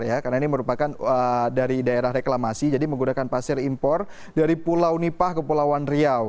karena ini merupakan dari daerah reklamasi jadi menggunakan pasir impor dari pulau nipah ke pulau wanriau